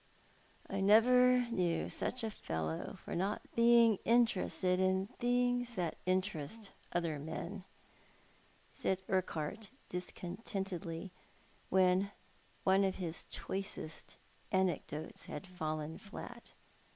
" I never knew such a fellow for not being interested in things that interest other men," said Urquhart discontentedly, when one of his choicest anecdotes had fallen flat.